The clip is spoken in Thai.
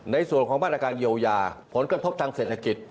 ในส่วนของมาตรการเยียวยาผลกระทบทางเศรษฐกิจ